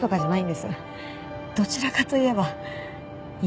どちらかといえば犬？